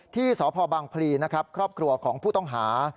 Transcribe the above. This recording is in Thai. ที่สพบังพลีนะครับครอบครัวของผู้ต้องหา